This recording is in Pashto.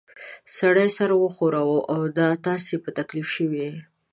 سړي سر وښوراوه: دا خو تاسې په تکلیف شوي ییۍ.